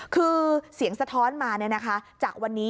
คือเสียงสะท้อนมาจากวันนี้